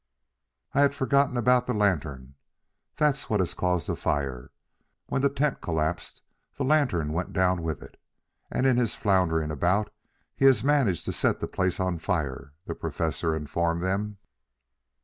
"I had forgotten about the lantern. That's what has caused the fire. When the tent collapsed the lantern went down with it, and in his floundering about he has managed to set the place on fire," the Professor informed them.